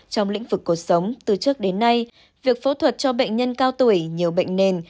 trong lĩnh vực cuộc sống từ trước đến nay việc phẫu thuật cho bệnh nhân cao tuổi nhiều bệnh nền